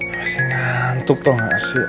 masih ngantuk atau nggak sih